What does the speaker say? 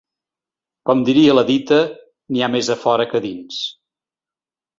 Com diria la dita “ n’hi ha més a fora que a dins”.